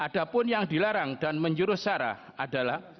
hal yang dilarang dan menjurus sara adalah